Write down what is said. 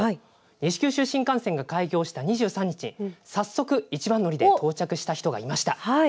西九州新幹線が開業した２３日早速、一番乗りで到着した人がいました。